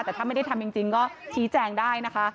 แต่ถ้าไม่ได้ทำจริงก็ชี้แจงได้นะคะ